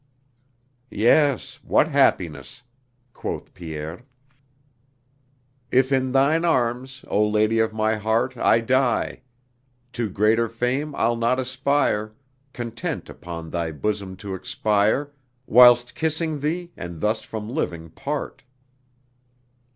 "Yes, what happiness!" quoth Pierre. "If in thine arms, O Lady of my heart, I die, to greater fame I'll not aspire, Content upon thy bosom to expire Whilst kissing thee and thus from living part...."